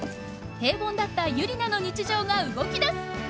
平凡だったユリナの日常が動きだす！